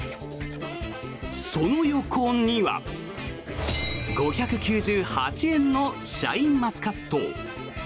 その横には５９８円のシャインマスカット。